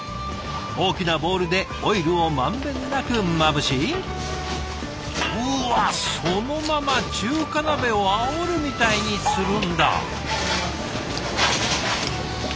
大きなボウルでオイルをまんべんなくまぶしうわそのまま中華鍋をあおるみたいにするんだ。